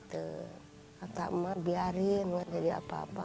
kakak emak biarin enggak jadi apa apa